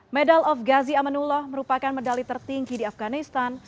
medal of gazi amanullah merupakan medali tertinggi di afganistan